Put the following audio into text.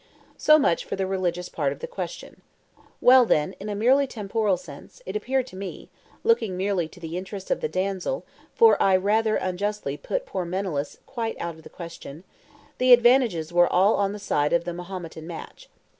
So much for the religious part of the question. Well, then, in a merely temporal sense, it appeared to me that (looking merely to the interests of the damsel, for I rather unjustly put poor Menelaus quite out of the question) the advantages were all on the side of the Mahometan match.